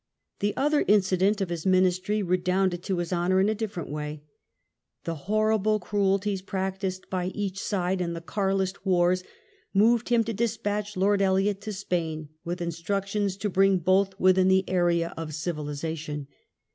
The other incident of his Ministry redounded to his honour in a different way. The horrible cruelties practised by each side in the Carlist wars moTcd him to despatch Lord Eliot to Spain with instructions to bring both within the area of ciyilisation.